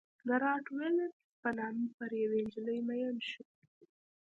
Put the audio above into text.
د رات ویلیمز په نامه پر یوې نجلۍ مین شو.